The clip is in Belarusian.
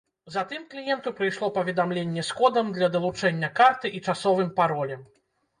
Затым кліенту прыйшло паведамленне з кодам для далучэння карты і часовым паролем.